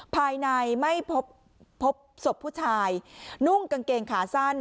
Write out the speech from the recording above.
ภายในไม่พบพบศพผู้ชายนุ่งกางเกงขาสั้น